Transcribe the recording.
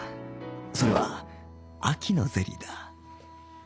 それは秋のゼリーだ